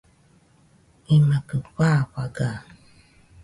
imakɨ fafaga